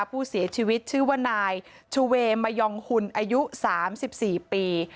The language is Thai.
ผู้เสียชีวิตชื่อว่านายชเวมยองหุ่นอายุ๓๔ปี